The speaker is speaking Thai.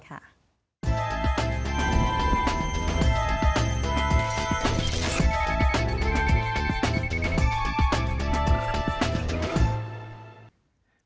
ค่ะ